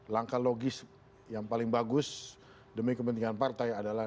langkah logis yang paling bagus demi kepentingan partai adalah